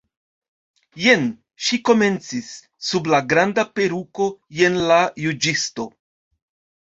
"Jen," ŝi komencis, "sub la granda peruko, jen la juĝisto."